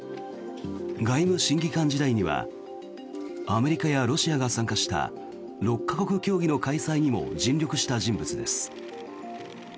外務審議官時代にはアメリカやロシアが参加した６か国協議の開催にも尽力した人物です。